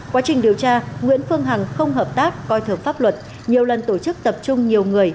quá trình điều tra nguyễn phương hằng không hợp tác coi thường pháp luật nhiều lần tổ chức tập trung nhiều người